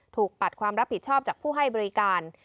ปัดความรับผิดชอบจากผู้ให้บริการ